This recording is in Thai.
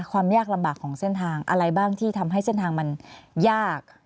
ความยากลำบากของเส้นทางอะไรบ้างที่ทำให้เส้นทางมันยาก